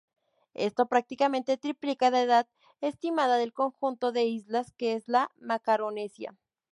Esto prácticamente triplica la edad estimada del conjunto de islas que es la Macaronesia.